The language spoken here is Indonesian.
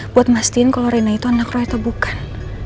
buat mastiin kalo reina itu anak roy atau bukan